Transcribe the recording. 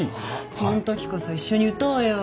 そん時こそ一緒に打とうよ。